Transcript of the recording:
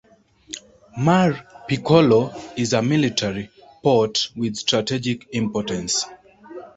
"Mar Piccolo" is a military port with strategic importance.